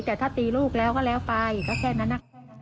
แต่ถ้าตีลูกแล้วก็แล้วไปก็แค่นั้น